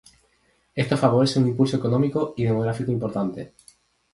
Esto favorece un impulso económico y demográfico importante.